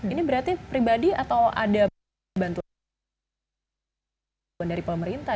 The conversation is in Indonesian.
ini berarti pribadi atau ada bantuan dari pemerintah